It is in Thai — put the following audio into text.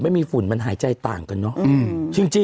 ยังไม่ได้ตอบรับหรือเปล่ายังไม่ได้ตอบรับหรือเปล่า